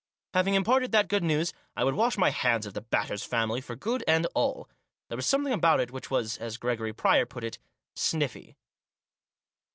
Having imparted that good news, I would wash my hands of the Batters' family for good and all. There was something about it which was, as Gregory Pryor put it, " sniffy."